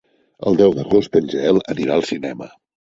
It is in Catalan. El deu d'agost en Gaël anirà al cinema.